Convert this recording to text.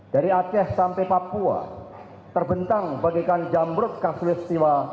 dari aceh sampai papua terbentang bagaikan jamrut kasus estiwa